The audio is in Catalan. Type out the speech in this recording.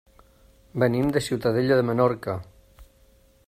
Venim de Ciutadella de Menorca.